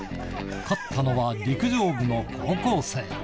勝ったのは陸上部の高校生。